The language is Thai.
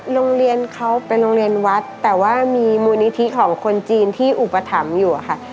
โรงเรียนเขาเป็นโรงเรียนวัดแต่ว่ามีมูลนิธิของคนจีนที่อุปถัมภ์อยู่อะค่ะ